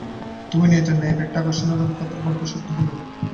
তুমি, নিয়তির নায়ক, একটা আকর্ষণীয় রূপকথার গল্প সত্য হলো।